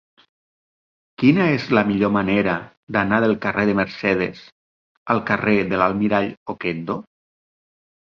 Quina és la millor manera d'anar del carrer de Mercedes al carrer de l'Almirall Okendo?